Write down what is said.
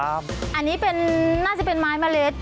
อันนี้น่าจะเป็นไม้เมล็ด